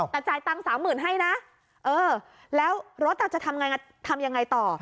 แต่จ่ายตังค์๓๐๐๐ให้นะเออแล้วรถจะทำยังไงต่อ